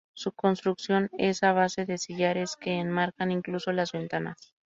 Su construcción es a base de sillares, que enmarcan incluso las ventanas.